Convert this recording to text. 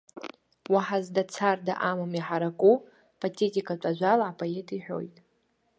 Уаҳа зда царҭа амам иҳараку патетикатә ажәала апоет иҳәоит.